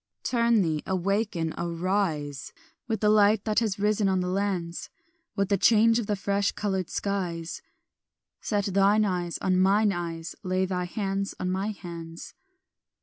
"Turn thee, awaken, arise, With the light that is risen on the lands, With the change of the fresh coloured skies; Set thine eyes on mine eyes, Lay thy hands in my hands."